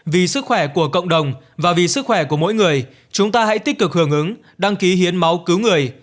vì sức khỏe của cộng đồng và vì sức khỏe của mỗi người chúng ta hãy tích cực hưởng ứng đăng ký hiến máu cứu người